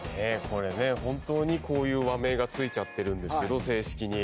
これね本当にこういう和名が付いちゃってるんですけど正式に。